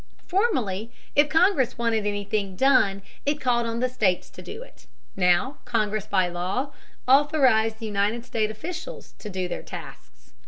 Formerly if Congress wanted anything done, it called on the states to do it. Now Congress, by law, authorized the United States officials to do their tasks.